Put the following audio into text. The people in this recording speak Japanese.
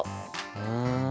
うん。